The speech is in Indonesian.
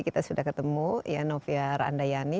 kita sudah ketemu ya novya randayani